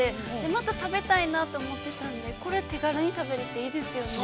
また食べたいなと思ってたんで、これ、手軽に食べれていいですよね。